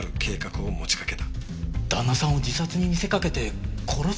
旦那さんを自殺に見せかけて殺す？